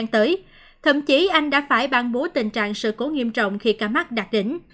tới thậm chí anh đã phải ban bố tình trạng sự cố nghiêm trọng khi ca mắc đạt đỉnh